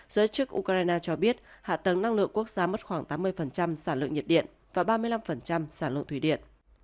giới chức ukraine cho biết hạ tầng năng lượng quốc gia mất khoảng tám mươi sản lượng nhiệt điện và ba mươi năm sản lượng thủy điện